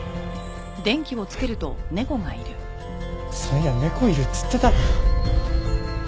そういや猫いるっつってたな。